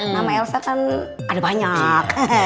nama elsa kan ada banyak